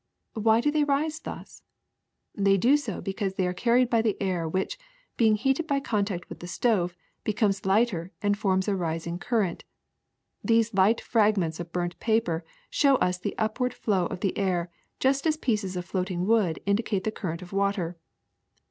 Why do they rise thus? They do so because they are carried by the air which, being heated by contact with the stove, becomes lighter and forms a rising current. These light fragments of burnt paper show us the upward flow of the air just as pieces of floating wood indi cate the current of water.